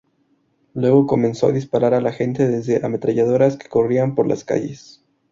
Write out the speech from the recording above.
Luego comenzó a disparar a la gente desde ametralladoras que corrían por las calles.